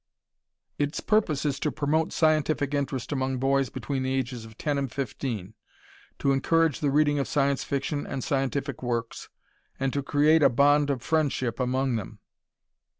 Its purpose is to promote scientific interest among boys between the ages of 10 and 15, to encourage the reading of Science Fiction and scientific works, and to create a bond of friendship among them.